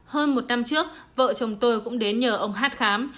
hơn một năm trước vợ chồng tôi cũng đến nhờ ông hát khám